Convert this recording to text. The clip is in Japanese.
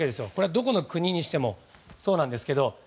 どこの国にしてもそうなんですけど。